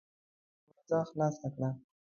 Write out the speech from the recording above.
د ښوونځي دروازه خلاصه کړه.